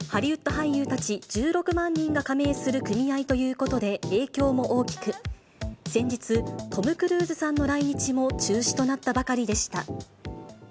俳優たち１６万人が加盟する組合ということで、影響も大きく、先日、トム・クルーズさんの来日も中止となったばかりでした。